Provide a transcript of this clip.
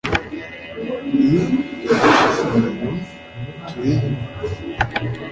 ni Igishushanyo Turihe